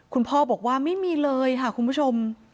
คุณพ่อบอกว่าไม่มีเลยค่ะคุณผู้ชม